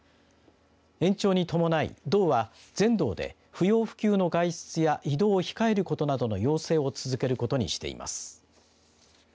延長に伴い、道は全道で不要不急な外出や移動を控えることなどの要請を続けることにしています。